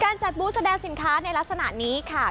การจัดบูธแสดงสินค้าในลักษณะนี้ค่ะ